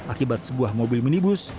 akibat sebuah mobil minibus